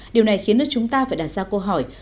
điều này khiến nước chúng ta phải đặt ra câu hỏi